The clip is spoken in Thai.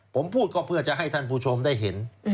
ผมพูดก็เพื่อจะให้ท่านผู้ชมได้เห็น